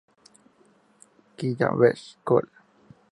Gigamesh, col.